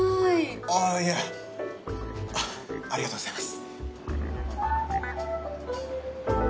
あぁいやありがとうございます。